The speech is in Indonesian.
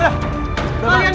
udah udah udah